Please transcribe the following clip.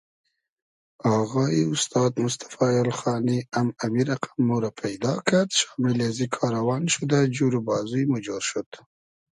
آغایی اوستاد موستئفا اېلخانی ام امی رئقئم مورۂ پݷدا کئد شامیلی ازی کاروان شودۂ جور و بازوی مۉ جۉر شود